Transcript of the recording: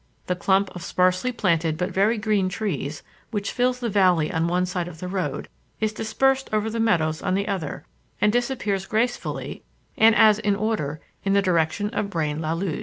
The clump of sparsely planted but very green trees, which fills the valley on one side of the road, is dispersed over the meadows on the other, and disappears gracefully and as in order in the direction of Braine l'Alleud.